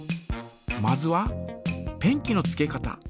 まずはペンキのつけ方。